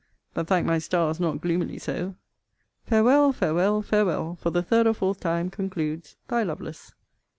But, thank my stars, not gloomily so! Farewell, farewell, farewell, for the third or fourth time, concludes Thy LOVELACE.